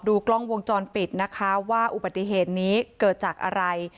กล้องวงจรปิดนะคะว่าอุบัติเหตุนี้เกิดจากอะไร